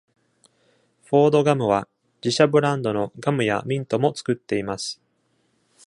フォードガムは自社ブランドのガムやミントも作っています。